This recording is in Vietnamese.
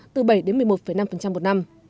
từ bảy một mươi một năm một năm